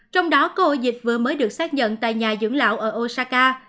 trong đó cơ hội dịch vừa mới được xác nhận tại nhà dưỡng lão ở osaka